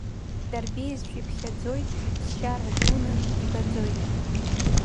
Дарбеиазшәа иԥхьаӡоит, ԥсшьара дуны ибаӡоит.